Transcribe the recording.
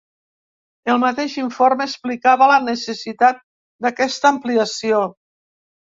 El mateix informe explicava la necessitat d’aquesta ampliació.